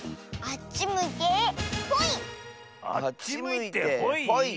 あっちむいてほい？